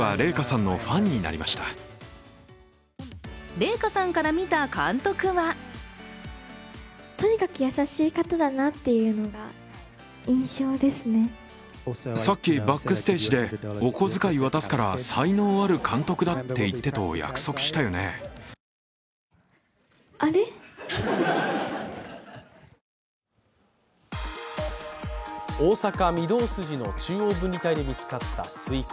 麗禾さんから見た監督は大阪・御堂筋の中央分離帯で見つかったスイカ。